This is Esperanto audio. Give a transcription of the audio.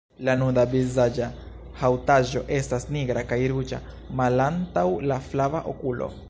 La nuda vizaĝa haŭtaĵo estas nigra, kaj ruĝa malantaŭ la flava okulo.